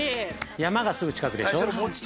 ◆山がすぐ近くでしょう。